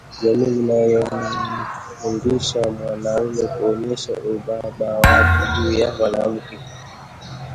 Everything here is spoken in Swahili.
Jamii inamfundisha mwanamume kuonyesha ubaba wake juu ya mwanamke